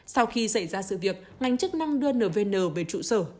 sau khi xảy ra sự việc ngành chức năng đưa nvn về trụ sở